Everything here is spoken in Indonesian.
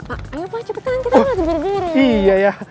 ayo pak cepetan kita harus berdiri diri